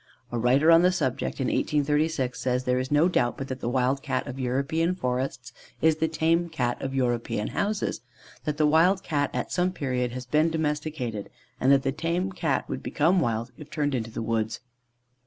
A writer on the subject, in 1836, says, there is no doubt but that the wild Cat of the European forests is the tame Cat of European houses; that the wild Cat at some period has been domesticated, and that the tame Cat would become wild if turned into the woods.